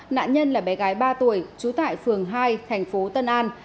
nạn nhân là bé gái ba tuổi trú tại phường hai thành phố tân an